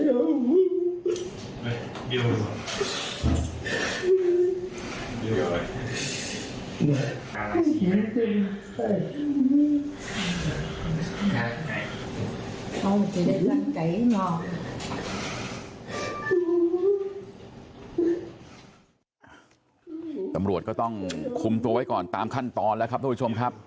ตำรวจก็ต้องคุมตัวไว้ก่อนตามขั้นตอนแล้วครับทุกผู้ชมครับ